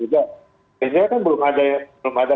dan juga sebenarnya kan belum ada